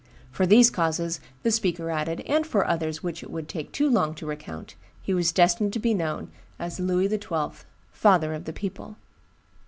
For these causes, the speaker added, and for others which it would take too long to recount, he was destined to be known as Louis XII., father of the people.